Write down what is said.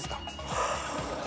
はあ。